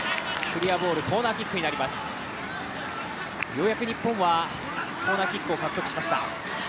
ようやく日本はコーナーキックを獲得しました。